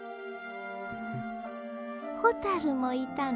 ホタルもいたの。